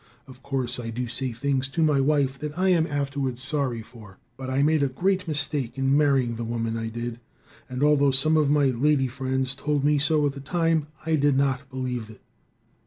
"Of course I do say things to my wife that I am afterward sorry for, but I made a great mistake in marrying the woman I did, and although some of my lady friends told me so at the time, I did not then believe it.